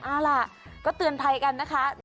เอาล่ะก็เตือนภัยกันนะคะ